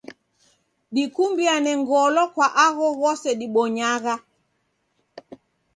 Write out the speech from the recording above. Dikumbiane ngolo kwa agho ghose dibpnyagha.